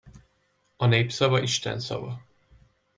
A nép szava Isten szava.